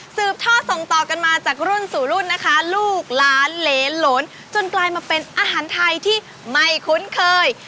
ท่อส่งต่อกันมาจากรุ่นสู่รุ่นนะคะลูกล้านเหลนจนกลายมาเป็นอาหารไทยที่ไม่คุ้นเคย